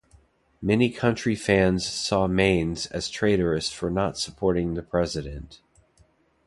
Many country fans saw Maines as traitorous for not supporting the president.